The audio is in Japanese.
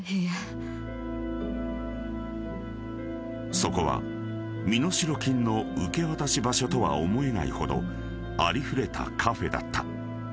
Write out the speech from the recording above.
［そこは身代金の受け渡し場所とは思えないほどありふれたカフェだった］